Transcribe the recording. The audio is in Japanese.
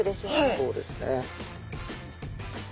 そうですね。